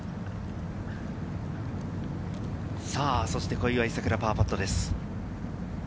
小祝さくら、パーパットです。